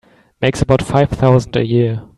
Makes about five thousand a year.